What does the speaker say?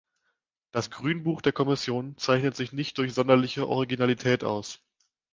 Das Grünbuch der Kommission zeichnet sich nicht durch sonderliche Originalität aus.